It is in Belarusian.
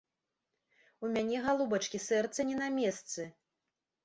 У мяне, галубачкі, сэрца не на месцы!